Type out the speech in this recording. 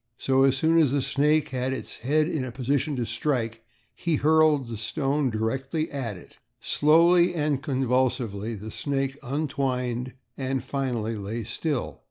So, as soon as the snake had its head in a position to strike he hurled the stone directly at it. Slowly and convulsively the snake untwined and finally lay still.